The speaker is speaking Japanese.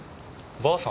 ばあさん